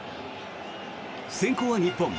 先攻は日本。